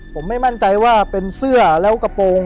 ผมไม่มั่นใจว่าเป็นเสื้อแล้วกระโปรง